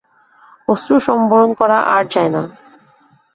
অশ্রুসম্বরণ করা আর যায় না।